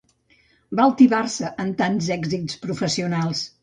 Va altivar-se amb tants èxits professionals.